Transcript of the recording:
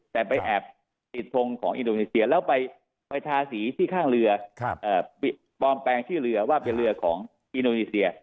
แต่ไปแอบติดทงของอินโดนีเซียแล้วไปทาสีที่ข้างเรือปลอมแปลงชื่อเรือว่าเป็นเรือของอินโดนีเซีย